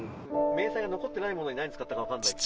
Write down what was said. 明細が残ってないものに何使ったか分かんない。